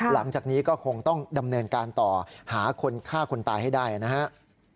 หลังจากนี้ก็คงต้องดำเนินการต่อหาคนฆ่าคนตายให้ได้นะครับ